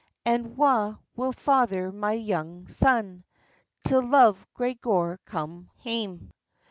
And wha will father my young son, Till Love Gregor come hame?"